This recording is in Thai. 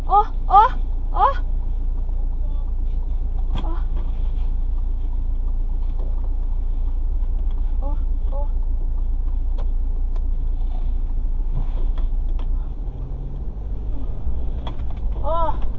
โอ๊ะโอ๊ะโอ๊ะ